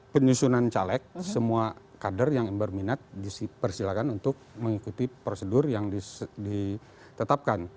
penyusunan caleg semua kader yang berminat dipersilakan untuk mengikuti prosedur yang ditetapkan